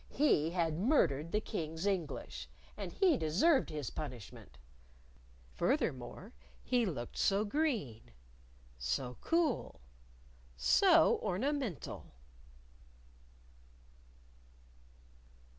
He had murdered the King's English, and he deserved his punishment. Furthermore, he looked so green, so cool, so ornamental!